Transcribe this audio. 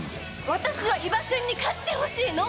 私は伊庭君に勝ってほしいの。